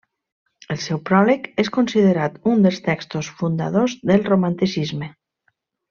El seu pròleg és considerat un dels textos fundadors del romanticisme.